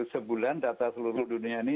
sebulan data seluruh dunia ini